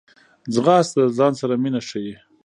ځغاسته د ځان سره مینه ښيي